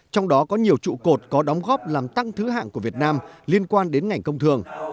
trong đó có nhiều trụ cột có đóng góp làm tăng thứ hạng của việt nam liên quan đến ngành công thường